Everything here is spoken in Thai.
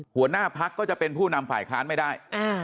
หัวหน้าพักก็จะเป็นผู้นำฝ่ายค้านไม่ได้